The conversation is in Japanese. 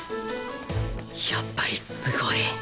やっぱりすごい